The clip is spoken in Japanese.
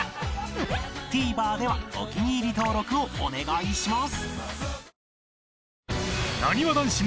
ＴＶｅｒ ではお気に入り登録をお願いします